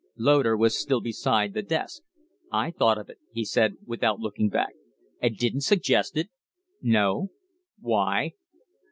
Loder was still beside the desk. "I thought of it," he said, without looking back. "And didn't suggest it?" "No." "Why?"